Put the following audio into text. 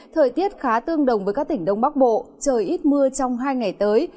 thời tiết khá tương đồng với các tỉnh đông bắc bộ trời ít mưa trong hai ngày tới